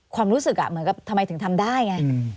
ความรู้สึกเหมือนกับทำไมถึงทำได้ไง